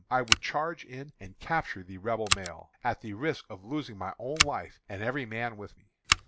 I would charge in and capture the Rebel mail, at the risk of losing my own life and every man with me.